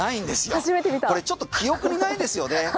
これちょっと記憶にないですよね